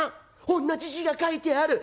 おんなじ字が書いてある。